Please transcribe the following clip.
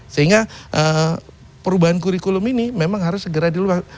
sehingga perubahan kurikulum ini memang harus segera diluarkan